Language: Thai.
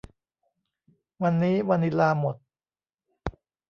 วันนี้วานิลลาหมด